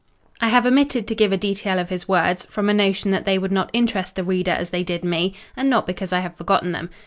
I have omitted to give a detail of his words, from a notion that they would not interest the reader as they did me, and not because I have forgotten them.